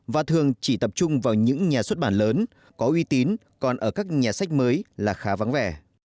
và thường chỉ tập trung vào những nhà xuất bản lớn có uy tín còn ở các nhà sách mới là khá vắng vẻ